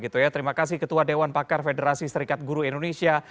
terima kasih ketua dewan pakar federasi serikat guru indonesia